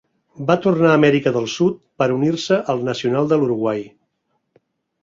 Va tornar a Amèrica del Sud per a unir-se al Nacional de l'Uruguai.